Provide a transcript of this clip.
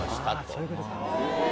そういうことか。